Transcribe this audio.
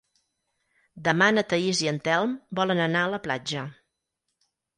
Demà na Thaís i en Telm volen anar a la platja.